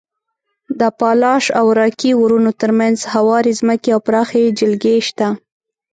د اپالاش او راکي غرونو تر منځ هوارې ځمکې او پراخې جلګې شته.